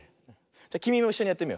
じゃきみもいっしょにやってみるよ。